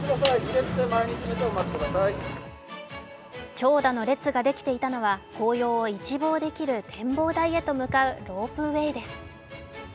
長蛇の列ができていたのは紅葉を一望できる展望台へと向かうロープウエーです。